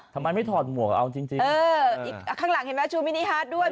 ทำไมไม่ถอดหมวกเอาจริงจริงเอออีกข้างหลังเห็นไหมชูมินิฮาร์ดด้วย